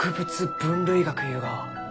分類学ゆうがは？